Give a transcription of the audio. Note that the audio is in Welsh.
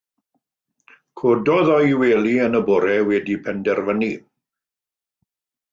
Cododd o'i wely yn y bore wedi penderfynu.